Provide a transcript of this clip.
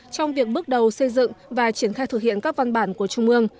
trong việc bước đầu xây dựng và triển khai thực hiện các văn bản của trung ương